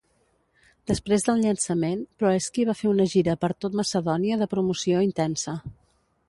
Després del llançament, Proeski va fer una gira per tot Macedònia de promoció intensa.